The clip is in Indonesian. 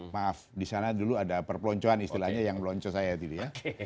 maaf disana dulu ada perpeloncoan istilahnya yang melonco saya itu ya